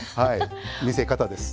見せ方です。